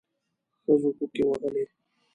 ښځو کوکي وهلې.